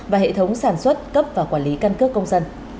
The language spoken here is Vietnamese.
và hệ thống sản xuất cấp và quản lý căn cước công dân